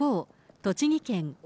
栃木県奥